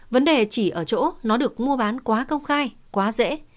vấn đề chỉ ở chỗ nó được mua bán quá công khai quá dễ